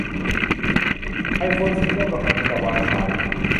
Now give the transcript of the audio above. ไอโฟนสีม่วงกำลังจะวางขาย